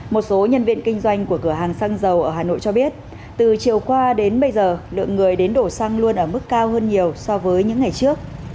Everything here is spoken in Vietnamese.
một số nhân viên kinh doanh của cửa hàng xăng dầu ở hà nội cho biết từ chiều qua đến bây giờ lượng người đến đổ xăng luôn ở mức cao hơn nhiều so với những ngày trước